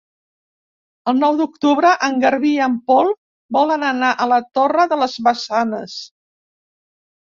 El nou d'octubre en Garbí i en Pol volen anar a la Torre de les Maçanes.